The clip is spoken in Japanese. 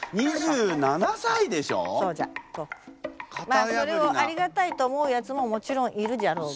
まあそれをありがたいと思うやつももちろんいるじゃろうが。